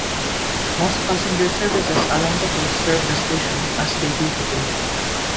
Most passenger services along the coast served the station, as they do today.